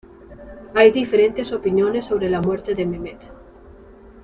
Hay diferentes opiniones sobre la muerte de Mehmed.